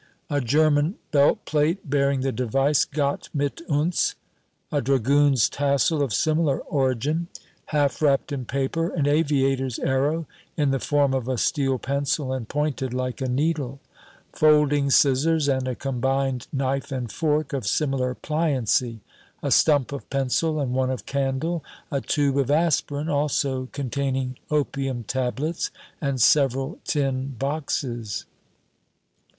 A German belt plate, bearing the device, "Gott mit uns"; a dragoon's tassel of similar origin; half wrapped in paper, an aviator's arrow in the form of a steel pencil and pointed like a needle; folding scissors and a combined knife and fork of similar pliancy; a stump of pencil and one of candle; a tube of aspirin, also containing opium tablets, and several tin boxes.